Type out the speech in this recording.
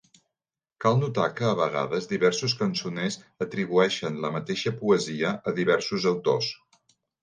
Cal notar que a vegades diversos cançoners atribueixen la mateixa poesia a diversos autors.